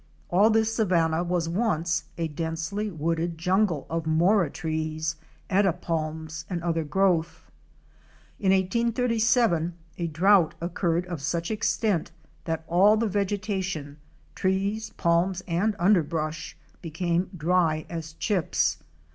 All this savanna was once a densely wooded jungle of mora trees, eta palms and other growth. In 1837 a drought occurred of such extent that all the vegetation —trees, palms and underbrush —became dry as chips.